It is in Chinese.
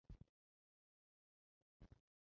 丛花山矾为山矾科山矾属下的一个种。